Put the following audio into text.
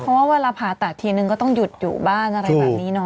เพราะว่าเวลาผ่าตัดทีนึงก็ต้องหยุดอยู่บ้านอะไรแบบนี้เนาะ